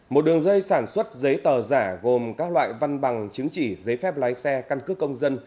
một đường dây sản xuất giấy tờ giả gồm các loại văn bằng chứng chỉ giấy phép lái xe căn cước công dân